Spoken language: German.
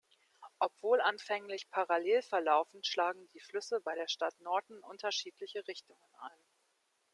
Obwohl anfänglich parallel verlaufend, schlagen die Flüsse bei der Stadt Norton unterschiedliche Richtungen ein.